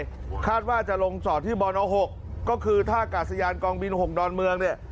ประเทศไทยคาดว่าจะลงสอดที่บ๖ก็คือถ้าอากาศยานกองบิน๖ดอนเมือง